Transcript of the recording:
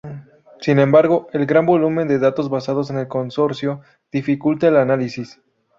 Sin embargo, el gran volumen de datos basados en el consorcio dificulta el análisis.